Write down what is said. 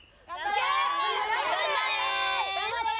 頑張れ！